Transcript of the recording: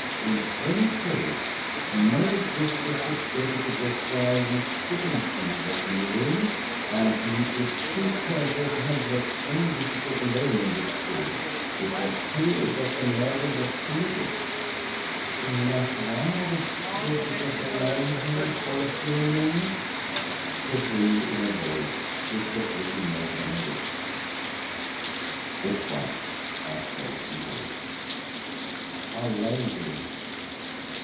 In any case, no visitor could get at the desk while Mr. Chippenfield was in the room. And he is too careful to have left any visitor alone in this room it was here that the murder was committed." "He left one of his visitors alone here for a few minutes," said Hill in a voice which was little more than a whisper. "Which one?" asked Rolfe eagerly. "A lady."